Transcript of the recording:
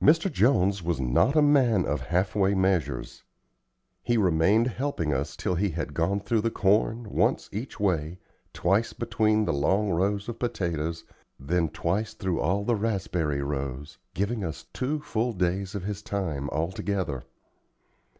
Mr. Jones was not a man of half way measures. He remained helping us, till he had gone through the corn, once each way, twice between the long rows of potatoes, then twice through all the raspberry rows, giving us two full days of his time altogether.